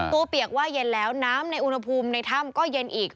เปีกว่าเย็นแล้วน้ำในอุณหภูมิในถ้ำก็เย็นอีก